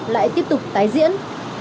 lại tiếp tục tái diễn